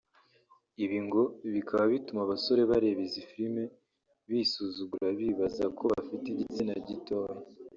ibi ngo bikaba bituma abasore bareba izi filime bisuzugura bibaza ko bafite igitsina gitoya